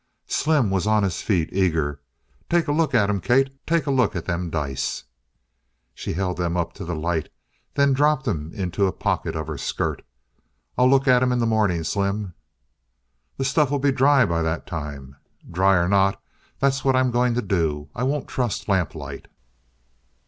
Slim was on his feet, eager. "Take a look at 'em, Kate. Take a look at them dice!" She held them up to the light then dropped them into a pocket of her skirt. "I'll look at 'em in the morning, Slim." "The stuff'll be dry by that time!" "Dry or not, that's what I'm going to do. I won't trust lamplight."